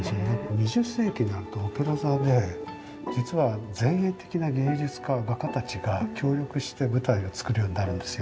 ２０世紀になるとオペラ座で実は前衛的な芸術家画家たちが協力して舞台を作るようになるんですよ。